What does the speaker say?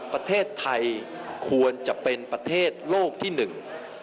ประเทศไทยควรจะเป็นประเทศโลกที่หนึ่ง